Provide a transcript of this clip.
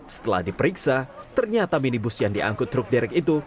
setelah diperiksa ternyata minibus yang diangkut truk derek itu